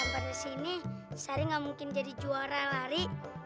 tanpa resi ini sari gak mungkin jadi juara lari